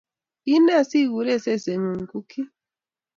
Kiine siguure sesengung Cookie?